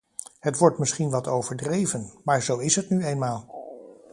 Het wordt misschien wat overdreven, maar zo is het nu eenmaal.